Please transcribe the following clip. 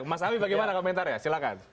mas awi bagaimana komentarnya silahkan